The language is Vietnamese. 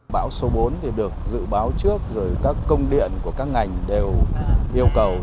bão số bốn thì được dự báo trước rồi các công điện của các ngành đều yêu cầu